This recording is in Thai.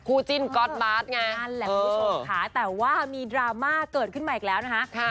จิ้นก๊อตบาร์ดไงนั่นแหละคุณผู้ชมค่ะแต่ว่ามีดราม่าเกิดขึ้นมาอีกแล้วนะคะ